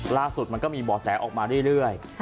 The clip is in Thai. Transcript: ล่าสุดมันก็มีบ่อแสออกมาเรื่อย